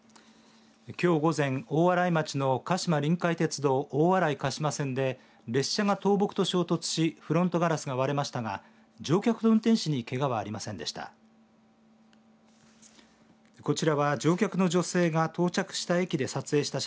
きょう午前、大洗町の鹿島臨海鉄道、大洗鹿島線で列車が倒木と衝突しフロントガラスが割れましたが乗客と運転手にけがはありませんでした。